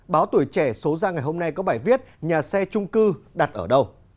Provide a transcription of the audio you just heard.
báo tuổi trẻ số ra ngày hôm nay có bài viết nhà xe trung cư đặt ở đâu